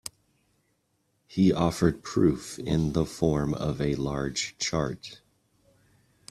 He offered proof in the form of a large chart.